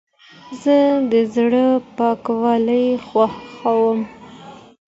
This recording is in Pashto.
زه د زړه پاکوالی خوښوم.